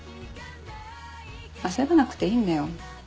焦らなくていいんだよ。